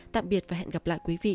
tạm biệt và hẹn gặp lại quý vị